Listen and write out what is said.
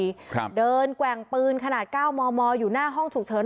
ครับเดินแกว่งปืนขนาดเก้ามอมออยู่หน้าห้องฉุกเฉิน